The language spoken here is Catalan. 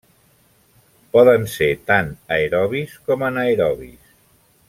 Poden ser tant aerobis com anaerobis.